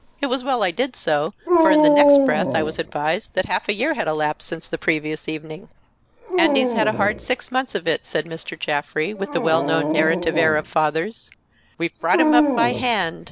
It was well I did so, for in the next breath I was advised that half a year had elapsed since the previous evening. "Andy's had a hard six months of it," said Mr. Jaffrey, with the well known narrative air of fathers. "We've brought him up by hand.